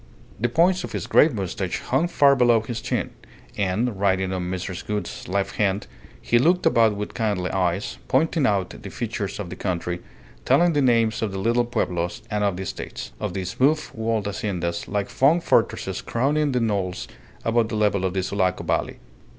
The points of his grey moustache hung far below his chin, and, riding on Mrs. Gould's left hand, he looked about with kindly eyes, pointing out the features of the country, telling the names of the little pueblos and of the estates, of the smooth walled haciendas like long fortresses crowning the knolls above the level of the Sulaco Valley.